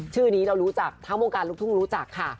ชื่อนี้เรารู้จักทั้งวงการลูกทุ่งรู้จักค่ะ